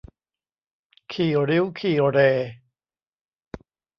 ขี้ริ้วขี้เหร่